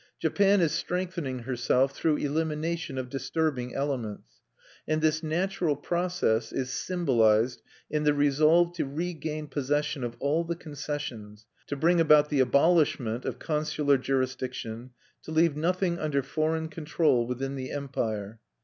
Japan is strengthening herself through elimination of disturbing elements; and this natural process is symbolized in the resolve to regain possession of all the concessions, to bring about the abolishment of consular jurisdiction, to leave nothing under foreign control within the Empire.